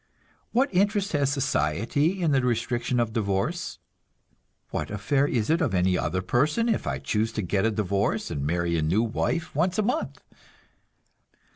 What interest has society in the restriction of divorce? What affair is it of any other person if I choose to get a divorce and marry a new wife once a month?